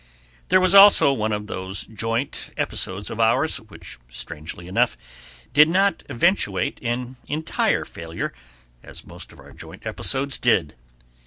There was also one of those joint episodes of ours, which, strangely enough, did not eventuate in entire failure, as most of our joint episodes did.